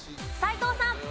斎藤さん。